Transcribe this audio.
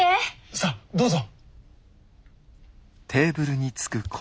さどうぞ。